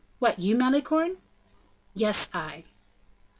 "What, you, Malicorne?" "Yes; I."